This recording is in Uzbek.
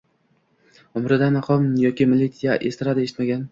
Umrida maqom yoki milliy estrada eshitmagan